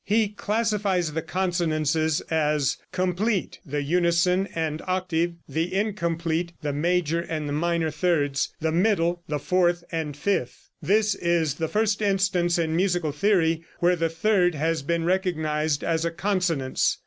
He classifies the consonances as complete, the unison and octave; the incomplete, the major and minor thirds; the middle, the fourth and fifth. This is the first instance in musical theory where the third has been recognized as a consonance.